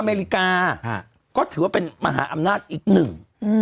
อเมริกาฮะก็ถือว่าเป็นมหาอำนาจอีกหนึ่งอืม